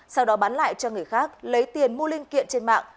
sau đó bán lại cho người khác lấy tiền mua linh kiện trên mạng